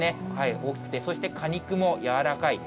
大きくて、そして果肉も柔らかい。